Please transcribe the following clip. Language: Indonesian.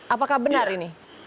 apakah benar ini